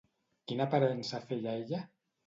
Quina aparença feia ella?